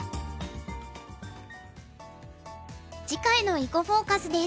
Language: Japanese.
次回の「囲碁フォーカス」です。